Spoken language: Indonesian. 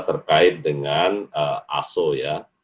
terkait dengan aso ya